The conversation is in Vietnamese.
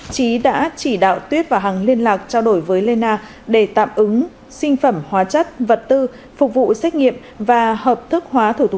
trí đã chỉ đạo tuyết và hằng liên lạc trao đổi với lê na để tạm ứng sinh phẩm hóa chất